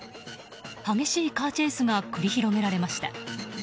激しいカーチェイスが繰り広げられました。